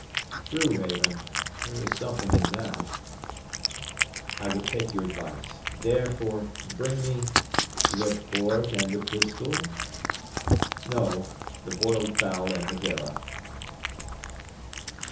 'True, Raven. There is something in that. I will take your advice: therefore, bring me ' 'The port and the pistol?' 'No; the boiled fowl and Madeira.'